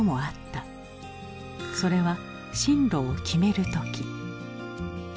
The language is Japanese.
それは進路を決める時。